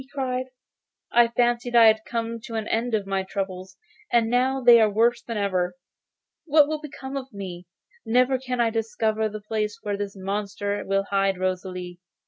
he cried. 'I fancied I had come to an end of my troubles, and now they are worse than ever. What will become of me? Never can I discover the place where this monster will hide Rosalie.